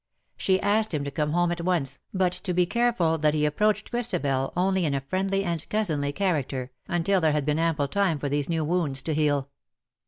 She asked him to come home at once, but to be careful that he approached Christabel only in a friendly and cousinly character, until there had been ample time for these new wounds to heal.